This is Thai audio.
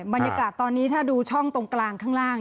บรรยากาศตอนนี้ถ้าดูช่องตรงกลางข้างล่าง